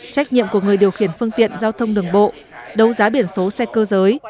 trách nhiệm của người điều khiển phương tiện giao thông đường bộ đấu giá biển số xe cơ giới